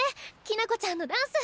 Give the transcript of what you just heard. きな子ちゃんのダンス。